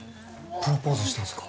プロポーズしたんすか？